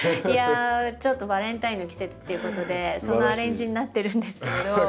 いやちょっとバンタインの季節っていうことでそのアレンジになってるんですけれど。